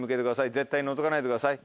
絶対のぞかないでください。